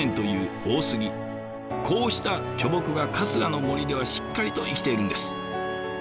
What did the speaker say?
こうした巨木が春日の森ではしっかりと生きているんです。